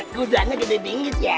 kudanya gede ginget ya